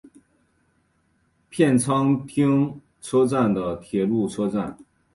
片仓町车站的铁路车站。